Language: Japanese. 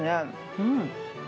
うん。